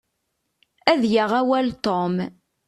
Ad yaɣ awal Tom.